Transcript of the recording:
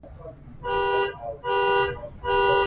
ماشومانو ته مينه او پاملرنه ضروري ده.